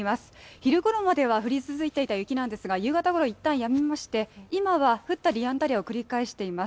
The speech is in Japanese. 昼ごろまでは降り続いていた雪なんですが夕方ごろいったんやみまして、今は降ったりやんだりを繰り返しています。